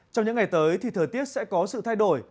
trong những ngày tới thì thời tiết sẽ có sự thay đổi